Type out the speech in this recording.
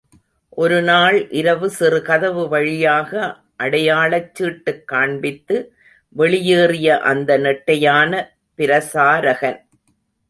ஒருநாள் இரவு சிறுகதவு வழியாக அடையாளச் சீட்டுக் காண்பித்து வெளியேறிய அந்த நெட்டையான பிரசாரகன்.